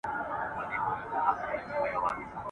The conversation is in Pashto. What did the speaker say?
د درمل په نوم یې راکړ دا چي زهر نوشومه !.